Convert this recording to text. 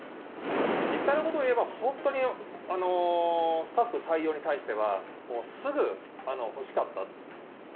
実際のことを言えば、本当にスタッフ採用に対しては、もうすぐ欲しかった。